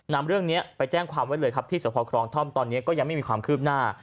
นำเรื่องนี้ไปแจ้งความไว้เลยครับที่สภครองท่อมตอนนี้ก็ยังไม่มีความคืบหน้า